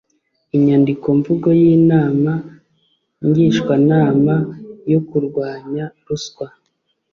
INYANDIKOMVUGO Y INAMA NGISHWANAMA YO KURWANYA RUSWA